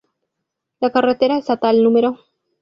La carretera estatal No.